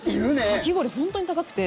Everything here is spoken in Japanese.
かき氷、本当に高くて。